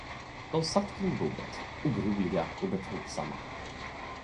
De satt kring bordet oroliga och betänksamma.